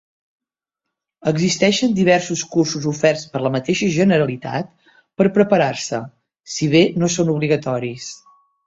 Existeixen diversos cursos oferts per la mateixa Generalitat per preparar-se, si bé no són obligatoris.